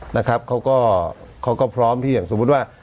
นะครับเขาก็เขาก็พร้อมที่อย่างสมมุติว่า